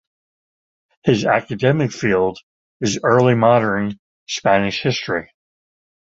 His academic field is early-modern Spanish history.